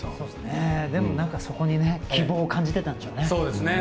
でも、そこに希望を感じてたんでしょうね。